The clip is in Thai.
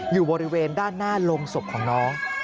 อยู่บริเวณด้านหน้าโรงศพของน้อง